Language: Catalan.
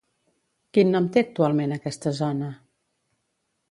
Quin nom té actualment aquesta zona?